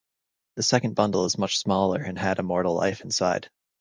The second bundle is much smaller and had immortal life inside.